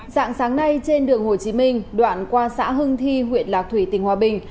dạng sáng nay trên đường hồ chí minh đoạn qua xã hưng thi huyện lạc thủy tỉnh hòa bình